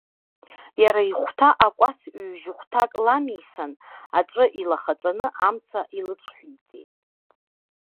Иара ихәҭа акәац ҩ-жьыхәҭак ламисан, аҵәы илахаҵаны амца илыҽҳәеиҵеит.